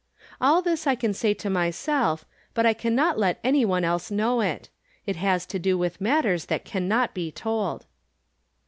All this I can say to myself, but I can not let any one else know it. It has to do with matters that can not be told.